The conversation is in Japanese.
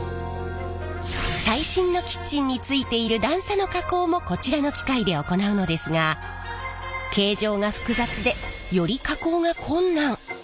最新のキッチンについている段差の加工もこちらの機械で行うのですが形状が複雑でより加工が困難。